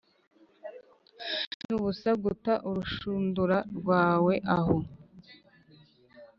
nubusa guta urushundura rwawe aho